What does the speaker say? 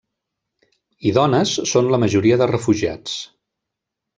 I dones són la majoria de refugiats.